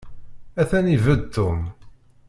Atan ibedd Tom.